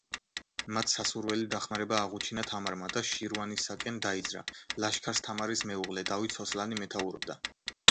მათ სასურველი დახმარება აღუჩინა თამარმა და შირვანისაკენ დაიძრა, ლაშქარს თამარის მეუღლე დავით სოსლანი მეთაურობდა.